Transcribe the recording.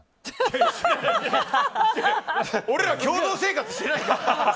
いやいや俺ら共同生活してないから！